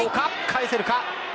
返せるか。